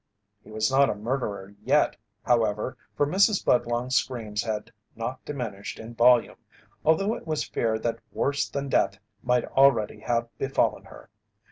He was not a murderer yet, however, for Mrs. Budlong's screams had not diminished in volume, although it was feared that worse than death might already have befallen her.